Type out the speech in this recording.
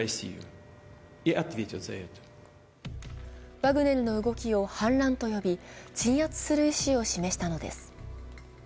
ワグネルの動きを反乱と呼び、鎮圧する意思を示したのです。